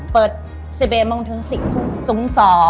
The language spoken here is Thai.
เปิดทรีย์แบบมศ๑๐ทุ่ง